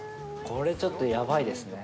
これちょっとやばいですね。